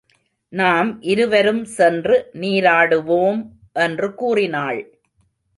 நாம் இருவரும் சென்று நீராடுவோம் என்று கூறினாள்.